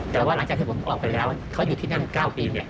แต่ว่าหลังจากที่ผมออกไปแล้วเขาอยู่ที่นั่น๙ปีเนี่ย